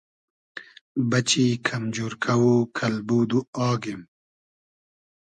بئچی کئم جورکۂ و کئلبود و آگیم